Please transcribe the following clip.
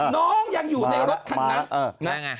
น้องยังอยู่ในรถคันนั้น